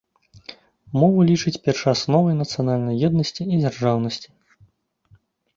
Мову лічыць першаасновай нацыянальнай еднасці і дзяржаўнасці.